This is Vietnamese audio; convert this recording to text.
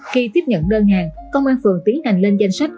khi tiếp nhận đơn hàng công an phường tiến hành lên danh sách